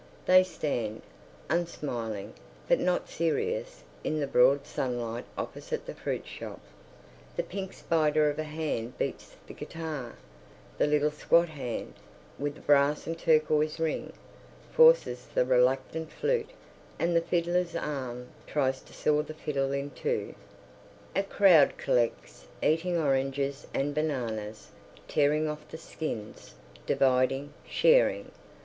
They stand, unsmiling, but not serious, in the broad sunlight opposite the fruit shop; the pink spider of a hand beats the guitar, the little squat hand, with a brass and turquoise ring, forces the reluctant flute, and the fiddler's arm tries to saw the fiddle in two. A crowd collects, eating oranges and bananas, tearing off the skins, dividing, sharing.